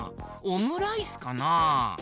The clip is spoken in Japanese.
オムライスかな？